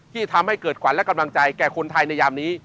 ที่ทำให้เกิดขวัญและกำลังใจแก่คนไทยในยามนี้